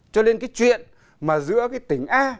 cho nên cái chuyện mà giữa cái tỉnh a